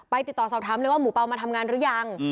ติดต่อสอบถามเลยว่าหมูเป่ามาทำงานหรือยัง